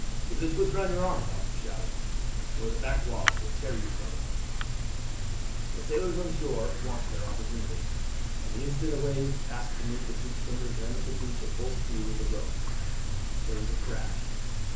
"Give it a twist round your arm," Malcolm shouted, "or the backwash will tear you from it." The sailors on shore watched their opportunity, and the instant a wave passed beneath the two swimmers ran up the beach at full speed with the rope. There was a crash.